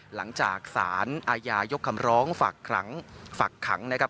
หลังจากสารอาญายกคำร้องฝากขังนะครับ